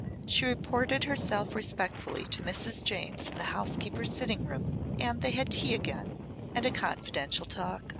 She reported herself respectfully to Mrs. James in the housekeeper's sitting room and they had tea again and a confidential talk.